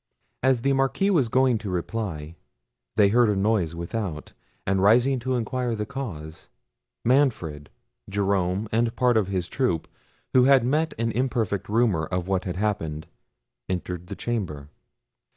As the Marquis was going to reply, they heard a noise without, and rising to inquire the cause, Manfred, Jerome, and part of the troop, who had met an imperfect rumour of what had happened, entered the chamber.